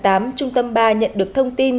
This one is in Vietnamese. trung tâm ba nhận được thông tin